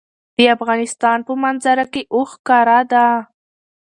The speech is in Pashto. د افغانستان په منظره کې اوښ ښکاره ده.